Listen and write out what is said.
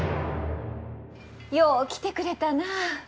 よう来てくれたなあ。